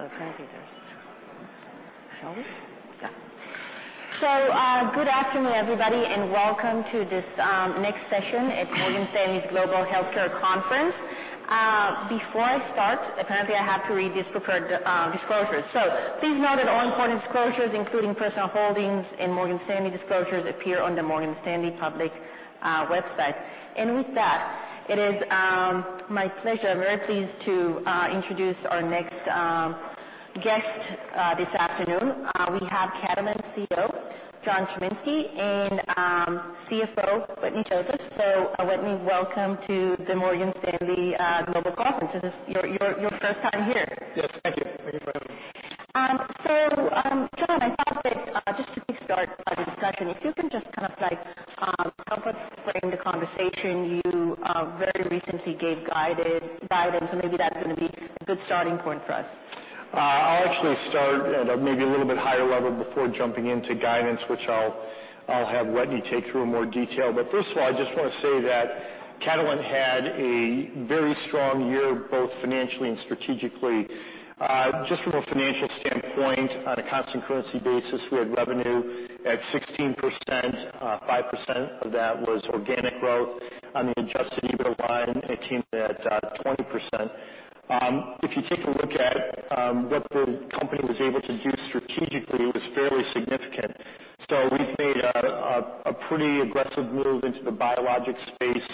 I'm so excited. Shall we? Yeah. Good afternoon, everybody, and welcome to this next session at Morgan Stanley's Global Healthcare Conference. Before I start, apparently, I have to read this prepared disclosure. Please note that all important disclosures, including personal holdings and Morgan Stanley disclosures, appear on the Morgan Stanley public website. With that, it is my pleasure, very pleased, to introduce our next guest this afternoon. We have Catalent CEO John Chiminski and CFO Wetteny Joseph. Wetteny, welcome to the Morgan Stanley Global Conference. Is this your first time here? Yes. Thank you. Thank you for having me. So, John, I thought that just to kick-start our discussion, if you can just kind of help us frame the conversation. You very recently gave guidance, so maybe that's going to be a good starting point for us. I'll actually start at maybe a little bit higher level before jumping into guidance, which I'll have Wetteny take through in more detail. But first of all, I just want to say that Catalent had a very strong year, both financially and strategically. Just from a financial standpoint, on a constant currency basis, we had revenue at 16%. 5% of that was organic growth. On the adjusted EBITDA line, it came in at 20%. If you take a look at what the company was able to do strategically, it was fairly significant. So, we've made a pretty aggressive move into the biologic space.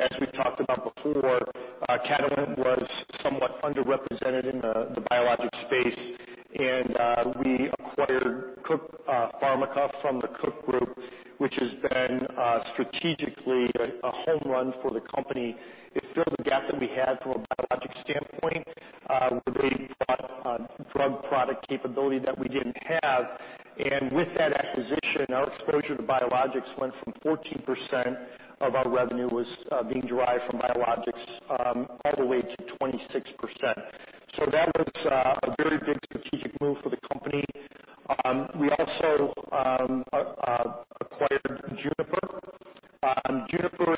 As we've talked about before, Catalent was somewhat underrepresented in the biologic space, and we acquired Cook Pharmica from the Cook Group, which has been strategically a home run for the company. It filled the gap that we had from a biologic standpoint, where they bought drug product capability that we didn't have, and with that acquisition, our exposure to biologics went from 14% of our revenue being derived from biologics all the way to 26%, so that was a very big strategic move for the company. We also acquired Juniper. Juniper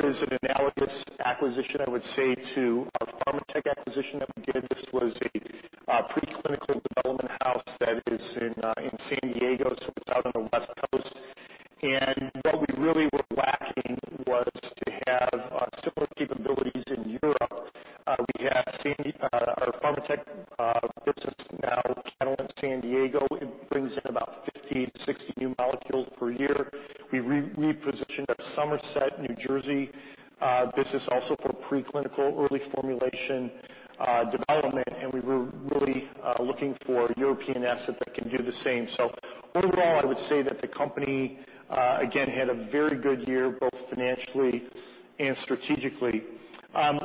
is an analogous acquisition, I would say, to our Pharmatek acquisition that we did. This was a preclinical development house that is in San Diego, so it's out on the West Coast, and what we really were lacking was to have similar capabilities in Europe. We have our Pharmatek business now, Catalent San Diego. It brings in about 50 to 60 new molecules per year. We repositioned our Somerset, New Jersey business also for preclinical early formulation development, and we were really looking for a European asset that can do the same, so overall, I would say that the company, again, had a very good year, both financially and strategically.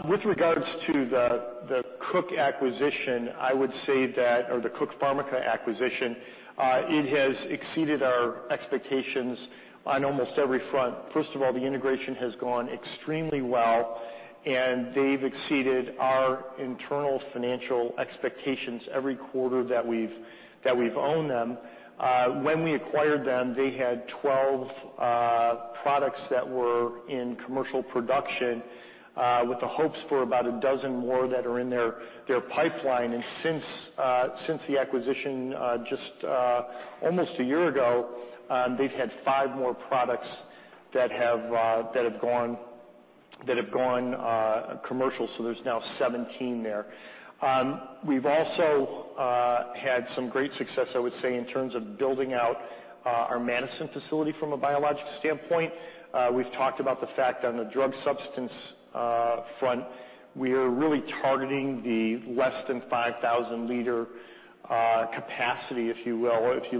With regards to the Cook acquisition, I would say that, or the Cook Pharmica acquisition, it has exceeded our expectations on almost every front. First of all, the integration has gone extremely well, and they've exceeded our internal financial expectations every quarter that we've owned them. When we acquired them, they had 12 products that were in commercial production, with the hopes for about a dozen more that are in their pipeline, and since the acquisition, just almost a year ago, they've had five more products that have gone commercial, so there's now 17 there. We've also had some great success, I would say, in terms of building out our Madison facility from a biologics standpoint. We've talked about the fact on the drug substance front. We are really targeting the less than 5,000-liter capacity, if you will. If you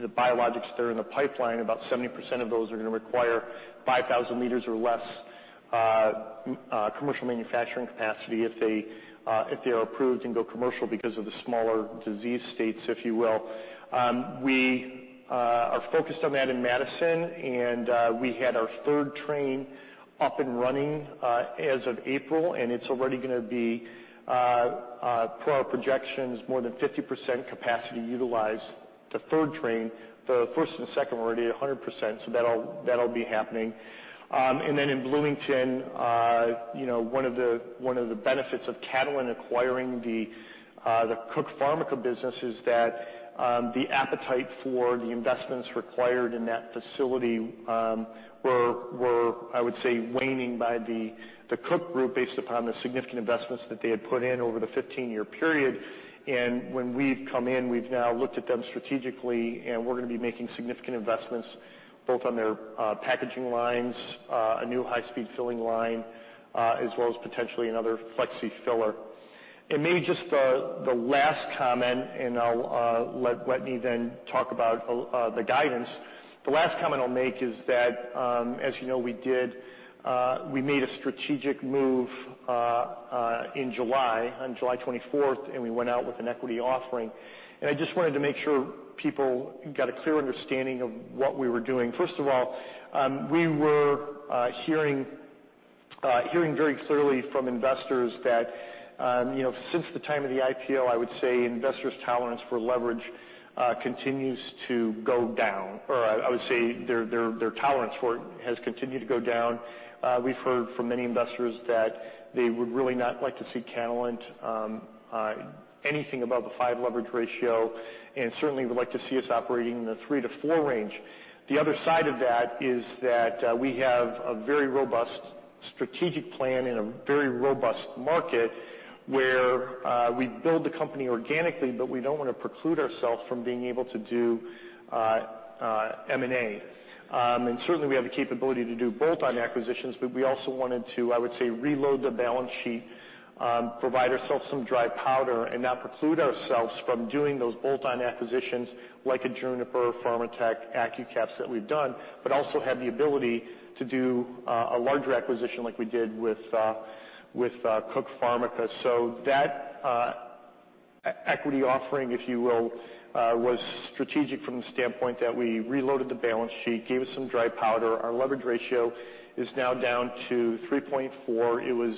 look at the biologics that are in the pipeline, about 70% of those are going to require 5,000 liters or less commercial manufacturing capacity if they are approved and go commercial because of the smaller disease states, if you will. We are focused on that in Madison, and we had our third train up and running as of April, and it's already going to be, per our projections, more than 50% capacity utilized, the third train. The first and second were already at 100%, so that'll be happening. Then in Bloomington, one of the benefits of Catalent acquiring the Cook Pharmica business is that the appetite for the investments required in that facility were, I would say, waning by the Cook Group based upon the significant investments that they had put in over the 15-year period. When we've come in, we've now looked at them strategically, and we're going to be making significant investments, both on their packaging lines, a new high-speed filling line, as well as potentially another flexi filler. Maybe just the last comment, and I'll let Wetteny then talk about the guidance. The last comment I'll make is that, as you know, we made a strategic move in July, on July 24th, and we went out with an equity offering. I just wanted to make sure people got a clear understanding of what we were doing. First of all, we were hearing very clearly from investors that since the time of the IPO, I would say investors' tolerance for leverage continues to go down, or I would say their tolerance for it has continued to go down. We've heard from many investors that they would really not like to see Catalent anything above the five leverage ratio, and certainly would like to see us operating in the three to four range. The other side of that is that we have a very robust strategic plan in a very robust market where we build the company organically, but we don't want to preclude ourselves from being able to do M&A. Certainly, we have the capability to do bolt-on acquisitions, but we also wanted to, I would say, reload the balance sheet, provide ourselves some dry powder, and not preclude ourselves from doing those bolt-on acquisitions like a Juniper, Pharmatek, Accucaps that we've done, but also have the ability to do a larger acquisition like we did with Cook Pharmica. So that equity offering, if you will, was strategic from the standpoint that we reloaded the balance sheet, gave us some dry powder. Our leverage ratio is now down to 3.4. It was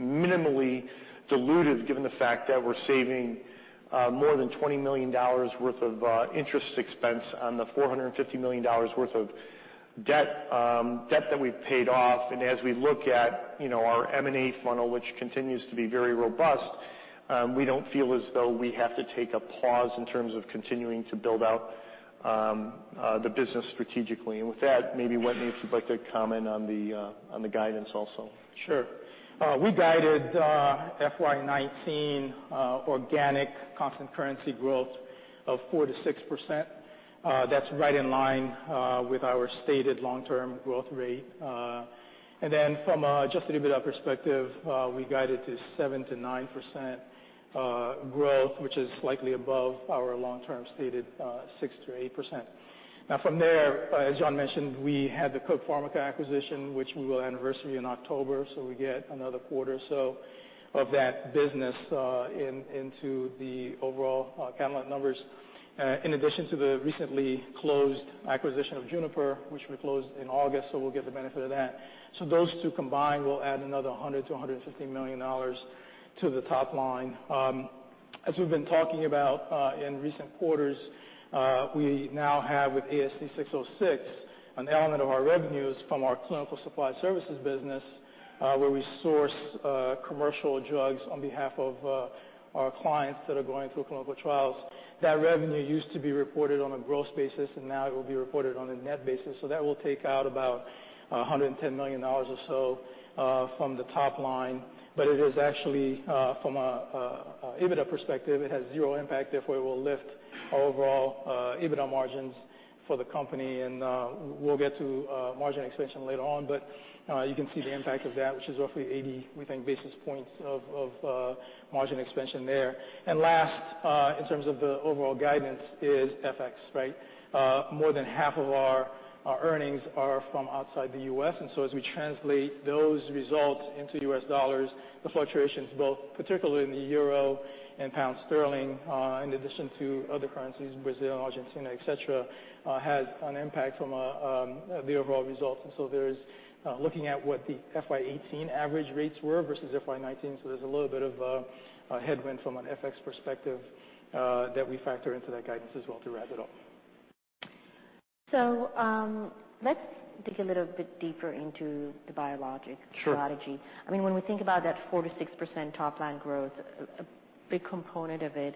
minimally diluted given the fact that we're saving more than $20 million worth of interest expense on the $450 million worth of debt that we've paid off. And as we look at our M&A funnel, which continues to be very robust, we don't feel as though we have to take a pause in terms of continuing to build out the business strategically. And with that, maybe Wetteny, if you'd like to comment on the guidance also. Sure. We guided FY19 organic constant currency growth of 4%-6%. That's right in line with our stated long-term growth rate. And then from a just a little bit of perspective, we guided to 7%-9% growth, which is slightly above our long-term stated 6%-8%. Now, from there, as John mentioned, we had the Cook Pharmica acquisition, which we will anniversary in October, so we get another quarter or so of that business into the overall Catalent numbers. In addition to the recently closed acquisition of Juniper, which we closed in August, so we'll get the benefit of that. So those two combined will add another $100-$150 million to the top line. As we've been talking about in recent quarters, we now have with ASC 606 an element of our revenues from our clinical supply services business, where we source commercial drugs on behalf of our clients that are going through clinical trials. That revenue used to be reported on a gross basis, and now it will be reported on a net basis, so that will take out about $110 million or so from the top line, but it is actually, from an EBITDA perspective, it has zero impact. Therefore, it will lift our overall EBITDA margins for the company, and we'll get to margin expansion later on, but you can see the impact of that, which is roughly 80, we think, basis points of margin expansion there, and last, in terms of the overall guidance, is FX, right? More than half of our earnings are from outside the U.S. And so, as we translate those results into U.S. dollars, the fluctuations, both particularly in the euro and pound sterling, in addition to other currencies, Brazil, Argentina, etc., has an impact from the overall results. And so there is looking at what the FY18 average rates were versus FY19. So there's a little bit of a headwind from an FX perspective that we factor into that guidance as well to wrap it up. So let's dig a little bit deeper into the biologics strategy. I mean, when we think about that 4%-6% top line growth, a big component of it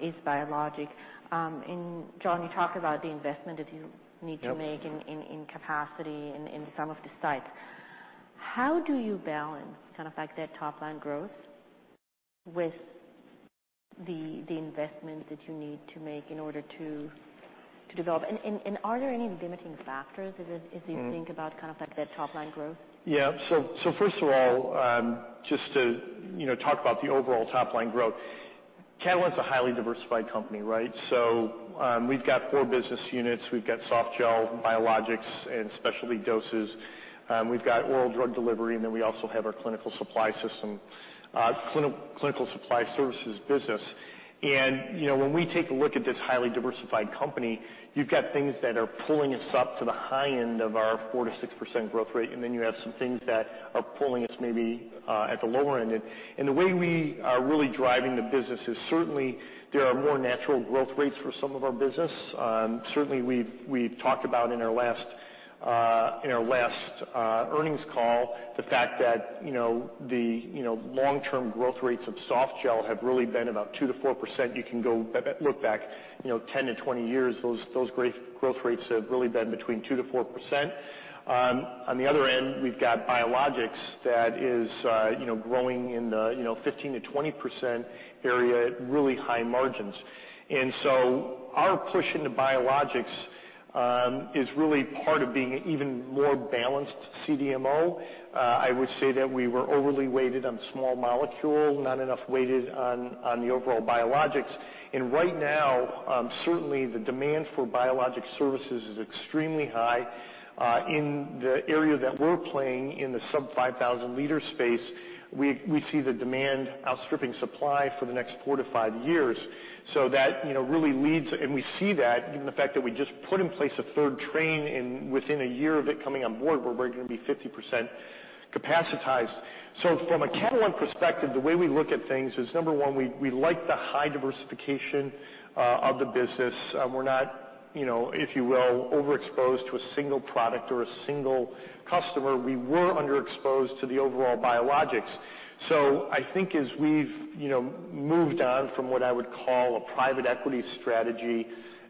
is biologics. And John, you talked about the investment that you need to make in capacity in some of the sites. How do you balance kind of that top line growth with the investment that you need to make in order to develop? And are there any limiting factors as you think about kind of that top line growth? Yeah. So first of all, just to talk about the overall top line growth, Catalent's a highly diversified company, right? So we've got four business units. We've got Softgel biologics and specialty doses. We've got oral drug delivery, and then we also have our clinical supply system, clinical supply services business. And when we take a look at this highly diversified company, you've got things that are pulling us up to the high end of our 4%-6% growth rate, and then you have some things that are pulling us maybe at the lower end. And the way we are really driving the business is certainly there are more natural growth rates for some of our business. Certainly, we've talked about in our last earnings call the fact that the long-term growth rates of Softgel have really been about 2%-4%. You can go look back 10 to 20 years. Those growth rates have really been between 2%-4%. On the other end, we've got biologics that is growing in the 15%-20% area at really high margins. And so our push into biologics is really part of being an even more balanced CDMO. I would say that we were overly weighted on small molecule, not enough weighted on the overall biologics. And right now, certainly, the demand for biologic services is extremely high. In the area that we're playing in the sub-5,000-liter space, we see the demand outstripping supply for the next four to five years. So that really leads, and we see that given the fact that we just put in place a third train and within a year of it coming on board, we're going to be 50% capacitized. So from a Catalent perspective, the way we look at things is, number one, we like the high diversification of the business. We're not, if you will, overexposed to a single product or a single customer. We were underexposed to the overall biologics. So I think as we've moved on from what I would call a private equity strategy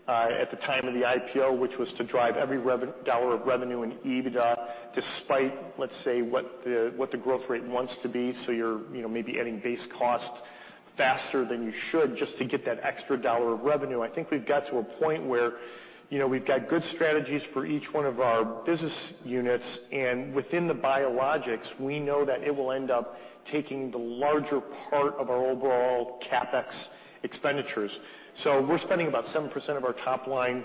at the time of the IPO, which was to drive every dollar of revenue in EBITDA, despite, let's say, what the growth rate wants to be, so you're maybe adding base cost faster than you should just to get that extra dollar of revenue, I think we've got to a point where we've got good strategies for each one of our business units. And within the biologics, we know that it will end up taking the larger part of our overall CapEx expenditures. So we're spending about 7% of our top line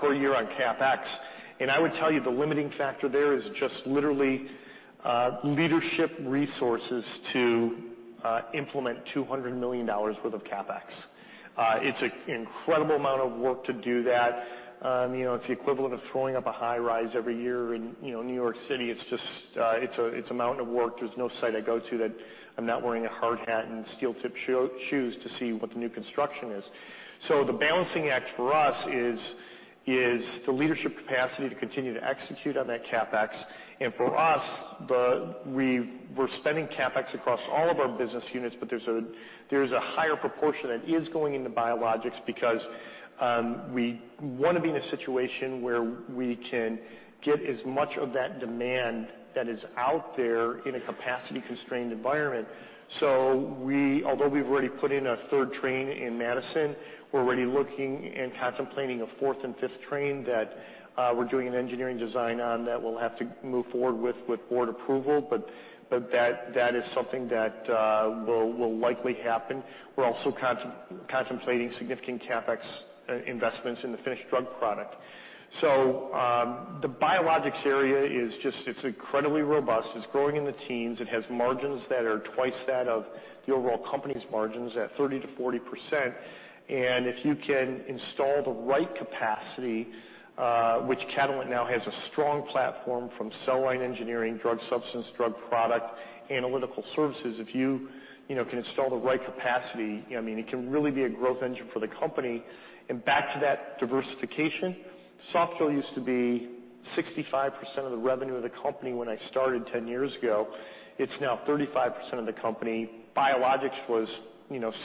per year on CapEx. And I would tell you the limiting factor there is just literally leadership resources to implement $200 million worth of CapEx. It's an incredible amount of work to do that. It's the equivalent of throwing up a high rise every year in New York City. It's a mountain of work. There's no site I go to that I'm not wearing a hard hat and steel tip shoes to see what the new construction is. So the balancing act for us is the leadership capacity to continue to execute on that CapEx. And for us, we're spending CapEx across all of our business units, but there's a higher proportion that is going into biologics because we want to be in a situation where we can get as much of that demand that is out there in a capacity-constrained environment. So although we've already put in a third train in Madison, we're already looking and contemplating a fourth and fifth train that we're doing an engineering design on that we'll have to move forward with board approval, but that is something that will likely happen. We're also contemplating significant CapEx investments in the finished drug product. So the biologics area is just, it's incredibly robust. It's growing in the teens. It has margins that are twice that of the overall company's margins at 30%-40%. If you can install the right capacity, which Catalent now has a strong platform from cell line engineering, drug substance, drug product, analytical services, if you can install the right capacity, I mean, it can really be a growth engine for the company. Back to that diversification, soft gel used to be 65% of the revenue of the company when I started 10 years ago. It's now 35% of the company. Biologics was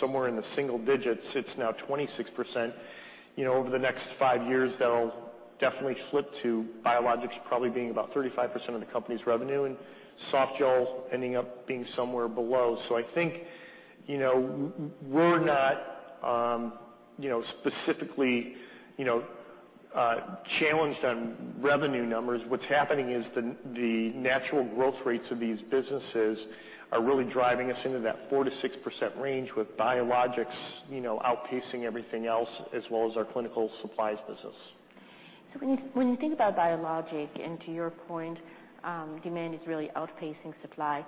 somewhere in the single digits. It's now 26%. Over the next five years, they'll definitely flip to biologics probably being about 35% of the company's revenue and soft gel ending up being somewhere below. I think we're not specifically challenged on revenue numbers. What's happening is the natural growth rates of these businesses are really driving us into that 4%-6% range with biologics outpacing everything else, as well as our clinical supplies business. So when you think about biologics, and to your point, demand is really outpacing supply.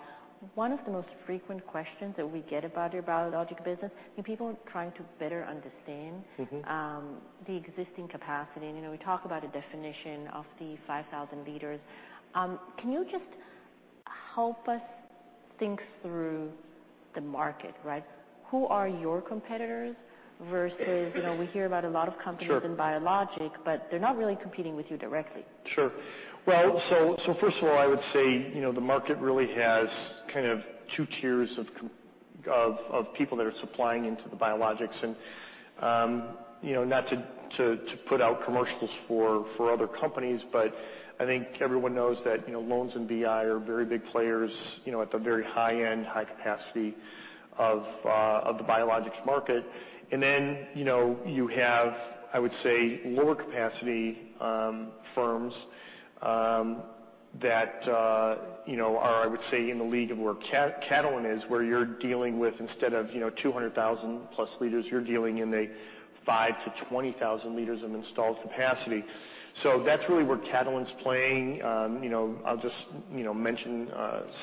One of the most frequent questions that we get about your biologics business is people are trying to better understand the existing capacity. And we talked about a definition of the 5,000 liters. Can you just help us think through the market, right? Who are your competitors versus, we hear about a lot of companies in biologics, but they're not really competing with you directly? Sure. Well, so first of all, I would say the market really has kind of two tiers of people that are supplying into the biologics, and not to put out commercials for other companies, but I think everyone knows that Lonza and BI are very big players at the very high end, high capacity of the biologics market, and then you have, I would say, lower capacity firms that are, I would say, in the league of where Catalent is, where you're dealing with, instead of 200,000+ liters, you're dealing in the 5-20,000 liters of installed capacity, so that's really where Catalent's playing. I'll just mention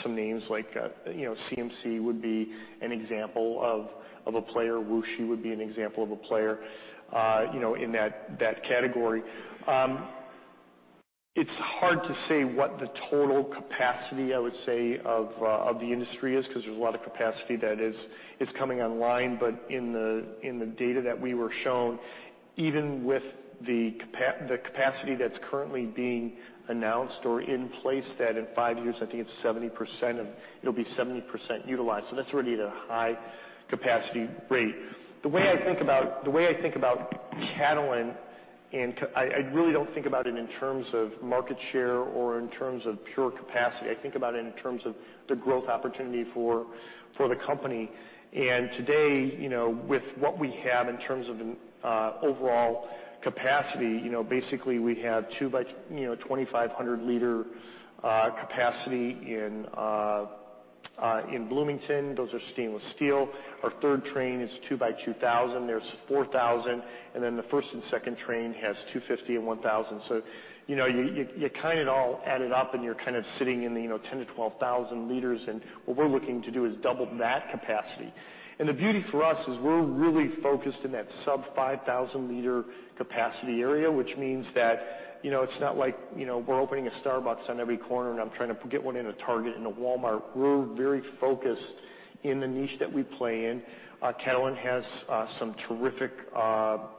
some names like CMC would be an example of a player. WuXi would be an example of a player in that category. It's hard to say what the total capacity, I would say, of the industry is because there's a lot of capacity that is coming online. But in the data that we were shown, even with the capacity that's currently being announced or in place that in five years, I think it's 70% of it'll be 70% utilized. So that's already at a high capacity rate. The way I think about the way I think about Catalent, and I really don't think about it in terms of market share or in terms of pure capacity. I think about it in terms of the growth opportunity for the company. And today, with what we have in terms of overall capacity, basically we have two by 2,500-liter capacity in Bloomington. Those are stainless steel. Our third train is two by 2,000. There's 4,000. And then the first and second train has 250 and 1,000. So you kind of all add it up, and you're kind of sitting in the 10-12 thousand liters. And what we're looking to do is double that capacity. And the beauty for us is we're really focused in that sub-5,000-liter capacity area, which means that it's not like we're opening a Starbucks on every corner and I'm trying to get one in a Target and a Walmart. We're very focused in the niche that we play in. Catalent has some terrific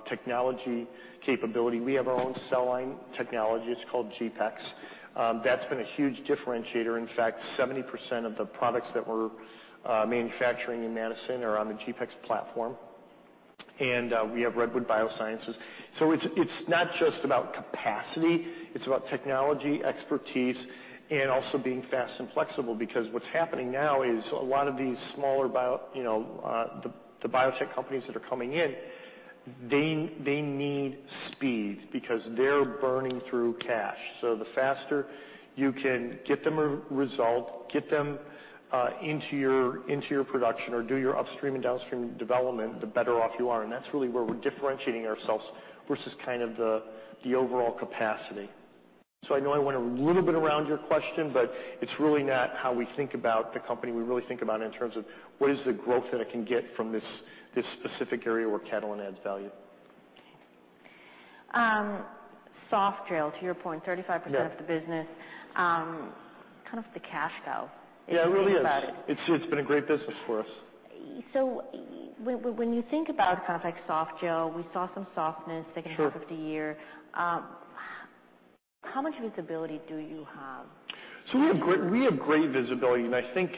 technology capability. We have our own cell line technology. It's called GPEx. That's been a huge differentiator. In fact, 70% of the products that we're manufacturing in Madison are on the GPEx platform. And we have Redwood Biosciences. So it's not just about capacity. It's about technology, expertise, and also being fast and flexible. Because what's happening now is a lot of these smaller biotech companies that are coming in, they need speed because they're burning through cash. So the faster you can get them a result, get them into your production or do your upstream and downstream development, the better off you are. And that's really where we're differentiating ourselves versus kind of the overall capacity. So I know I went a little bit around your question, but it's really not how we think about the company. We really think about it in terms of what is the growth that it can get from this specific area where Catalent adds value. Softgel, to your point, 35% of the business, kind of the cash cow. Yeah, it really is. It's been a great business for us. So when you think about kind of Softgel, we saw some softness, taking a half of the year. How much visibility do you have? So we have great visibility. And I think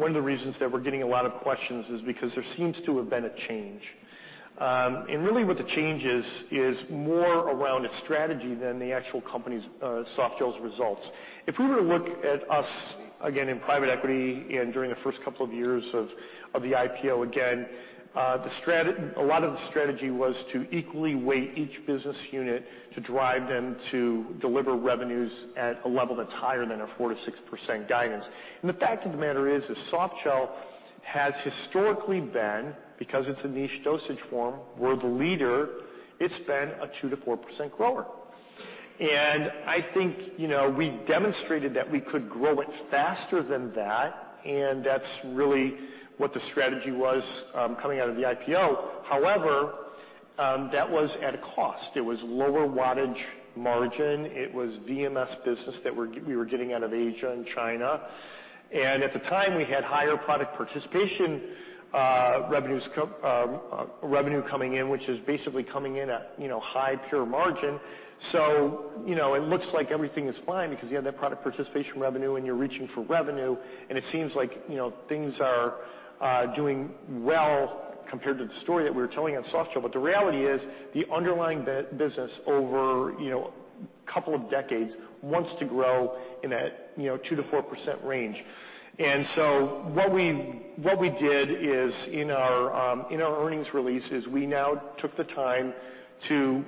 one of the reasons that we're getting a lot of questions is because there seems to have been a change. And really what the change is, is more around a strategy than the actual company's Softgel's results. If we were to look at us again in private equity and during the first couple of years of the IPO, again, a lot of the strategy was to equally weigh each business unit to drive them to deliver revenues at a level that's higher than a 4%-6% guidance. And the fact of the matter is, Softgel has historically been, because it's a niche dosage form, world leader. It's been a 2%-4% grower. And I think we demonstrated that we could grow it faster than that. And that's really what the strategy was coming out of the IPO. However, that was at a cost. It was lower gross margin. It was VMS business that we were getting out of Asia and China, and at the time, we had higher product participation revenue coming in, which is basically coming in at high gross margin, so it looks like everything is fine because you have that product participation revenue and you're reaching for revenue, and it seems like things are doing well compared to the story that we were telling on Softgel. But the reality is the underlying business over a couple of decades wants to grow in that 2%-4% range, and so what we did is in our earnings releases, we now took the time to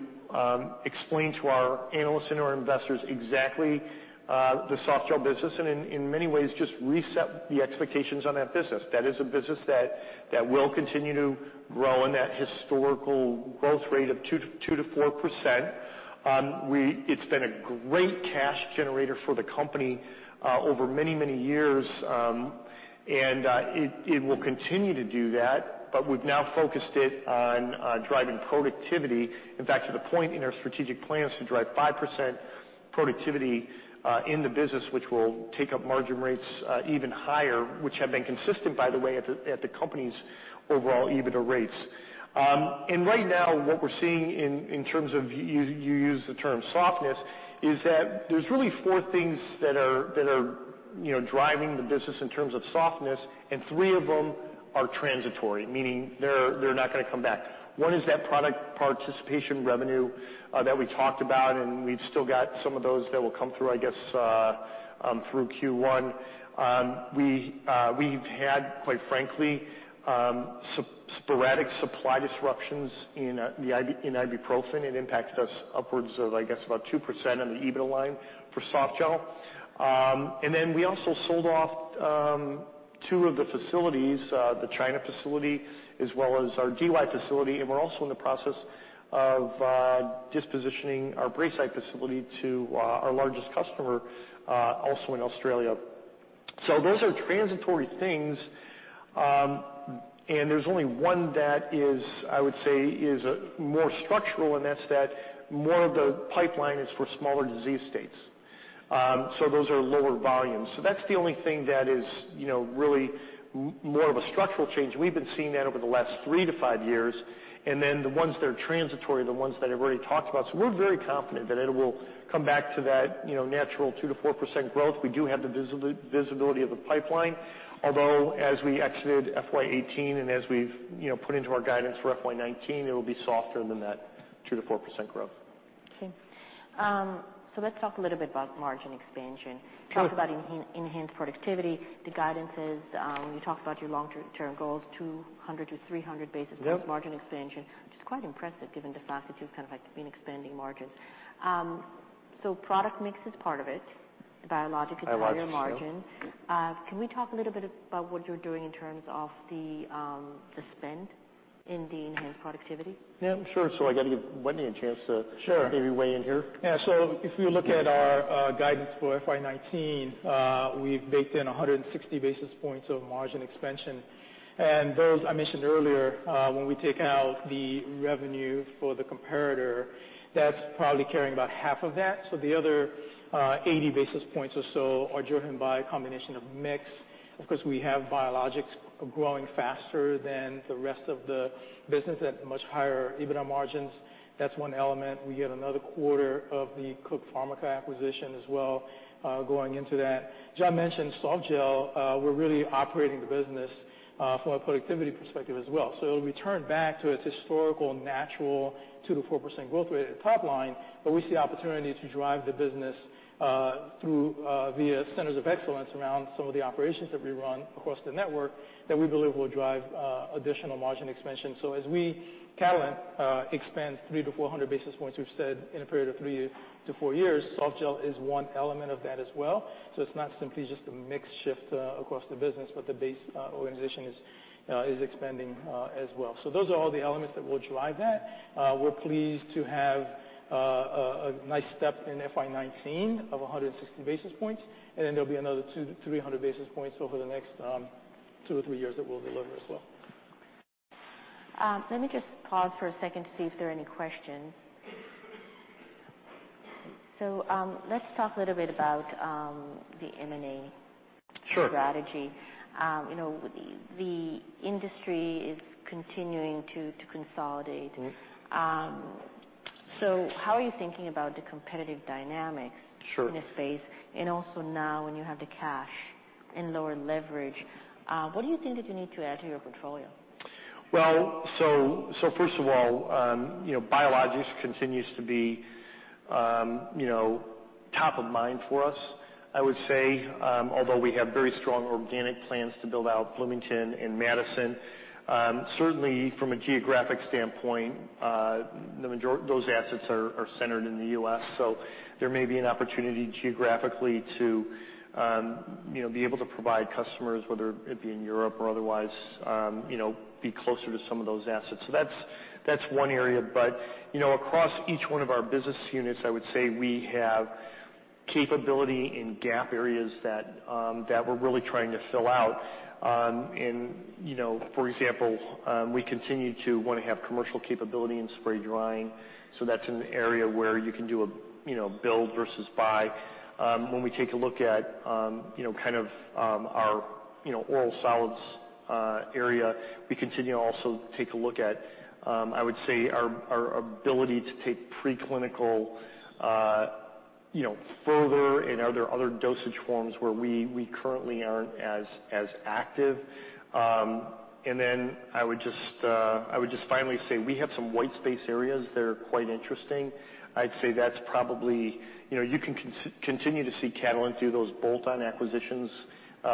explain to our analysts and our investors exactly the Softgel business and in many ways just reset the expectations on that business. That is a business that will continue to grow in that historical growth rate of 2%-4%. It's been a great cash generator for the company over many, many years. And it will continue to do that. But we've now focused it on driving productivity. In fact, to the point in our strategic plans to drive 5% productivity in the business, which will take up margin rates even higher, which have been consistent, by the way, at the company's overall EBITDA rates. And right now, what we're seeing in terms of you use the term softness is that there's really four things that are driving the business in terms of softness. And three of them are transitory, meaning they're not going to come back. One is that product participation revenue that we talked about. And we've still got some of those that will come through, I guess, through Q1. We've had, quite frankly, sporadic supply disruptions in ibuprofen. It impacted us upwards of, I guess, about 2% on the EBITDA line for Softgel. And then we also sold off two of the facilities, the China facility as well as our DY facility. And we're also in the process of dispositioning our Braeside facility to our largest customer, also in Australia. So those are transitory things. And there's only one that is, I would say, is more structural. And that's that more of the pipeline is for smaller disease states. So those are lower volumes. So that's the only thing that is really more of a structural change. We've been seeing that over the last three to five years. And then the ones that are transitory, the ones that I've already talked about. So we're very confident that it will come back to that natural 2%-4% growth. We do have the visibility of the pipeline. Although, as we exited FY18 and as we've put into our guidance for FY19, it will be softer than that 2%-4% growth. Okay. So let's talk a little bit about margin expansion. Talk about enhanced productivity. The guidance is you talked about your long-term goals, 200-300 basis points margin expansion, which is quite impressive given the fact that you've kind of been expanding margins. So product mix is part of it. Biologics is part of your margin. Can we talk a little bit about what you're doing in terms of the spend in the enhanced productivity? Yeah, sure. So I got to give Wetteny a chance to maybe weigh in here. Yeah. So if you look at our guidance for FY'19, we've baked in 160 basis points of margin expansion. And those I mentioned earlier, when we take out the revenue for the comparator, that's probably carrying about half of that. So the other 80 basis points or so are driven by a combination of mix. Of course, we have biologics growing faster than the rest of the business at much higher EBITDA margins. That's one element. We get another quarter of the Cook Pharmica acquisition as well going into that. John mentioned Softgel. We're really operating the business from a productivity perspective as well. So it'll return back to its historical natural 2%-4% growth rate at the top line. We see opportunity to drive the business via centers of excellence around some of the operations that we run across the network that we believe will drive additional margin expansion. As Catalent expands 3 to 400 basis points, we've said in a period of three to four years, Softgel is one element of that as well. It's not simply just a mix shift across the business, but the base organization is expanding as well. Those are all the elements that will drive that. We're pleased to have a nice step in FY19 of 160 basis points. Then there'll be another 300 basis points over the next two to three years that we'll deliver as well. Let me just pause for a second to see if there are any questions. So let's talk a little bit about the M&A strategy. The industry is continuing to consolidate. So how are you thinking about the competitive dynamics in this space? And also now when you have the cash and lower leverage, what do you think that you need to add to your portfolio? First of all, biologics continues to be top of mind for us, I would say. Although we have very strong organic plans to build out Bloomington and Madison, certainly from a geographic standpoint, those assets are centered in the U.S. There may be an opportunity geographically to be able to provide customers, whether it be in Europe or otherwise, be closer to some of those assets. That's one area. Across each one of our business units, I would say we have capability in gap areas that we're really trying to fill out. For example, we continue to want to have commercial capability in spray drying. That's an area where you can do a build versus buy. When we take a look at kind of our oral solids area, we continue also to take a look at, I would say, our ability to take preclinical further and other dosage forms where we currently aren't as active. And then I would just finally say we have some white space areas that are quite interesting. I'd say that's probably you can continue to see Catalent do those bolt-on acquisitions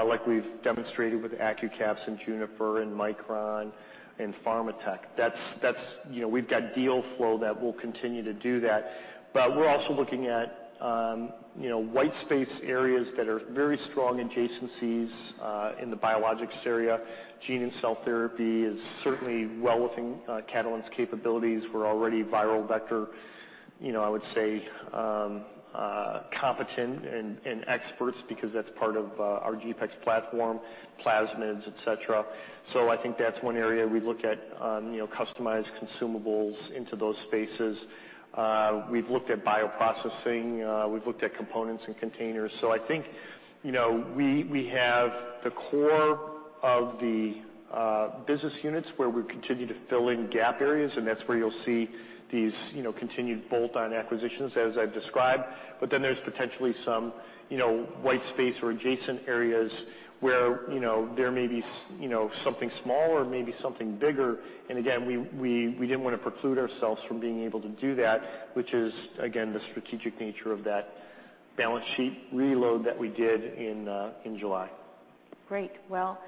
like we've demonstrated with Accucaps and Juniper and Micron and Pharmatek. We've got deal flow that we'll continue to do that. But we're also looking at white space areas that are very strong adjacencies in the biologics area. Gene and cell therapy is certainly well within Catalent's capabilities. We're already viral vector, I would say, competent and experts because that's part of our GPEx platform, plasmids, etc. So I think that's one area we look at customized consumables into those spaces. We've looked at bioprocessing. We've looked at components and containers. So I think we have the core of the business units where we continue to fill in gap areas. And that's where you'll see these continued bolt-on acquisitions, as I've described. But then there's potentially some white space or adjacent areas where there may be something small or maybe something bigger. And again, we didn't want to preclude ourselves from being able to do that, which is, again, the strategic nature of that balance sheet reload that we did in July. Great. Well,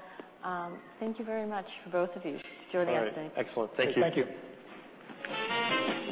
thank you very much for both of you joining us today. Excellent. Thank you. Thank you.